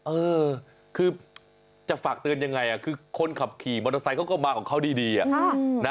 เออคือจะฝากเตือนยังไงคือคนขับขี่มอเตอร์ไซค์เขาก็มาของเขาดี